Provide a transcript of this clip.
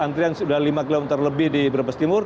antrian sudah lima kilometer lebih di berbes timur